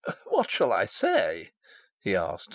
"What shall I say?" he asked.